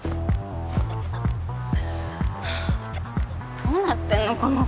葵！はあどうなってんの？